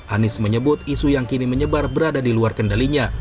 anies menyebut isu yang kini menyebar berada di luar kendalinya